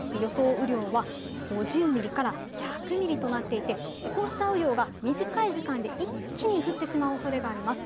雨量は５０ミリから１００ミリとなっていて、こうした雨量が短い時間で一気に降ってしまう可能性があります。